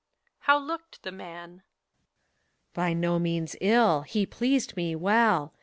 How looked the manT PHORKYAS. By no means ill : he pleased me well.